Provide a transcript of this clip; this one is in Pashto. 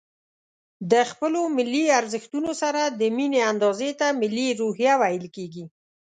د خپلو ملي ارزښتونو سره د ميني اندازې ته ملي روحيه ويل کېږي.